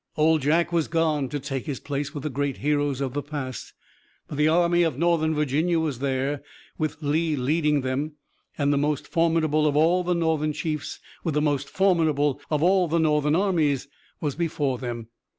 Old Jack was gone to take his place with the great heroes of the past, but the Army of Northern Virginia was there, with Lee leading them, and the most formidable of all the Northern chiefs with the most formidable of all the Northern armies was before them.